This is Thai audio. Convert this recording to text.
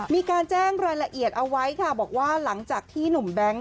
มีการแจ้งรายละเอียดเอาไว้ค่ะบอกว่าหลังจากที่หนุ่มแบงค์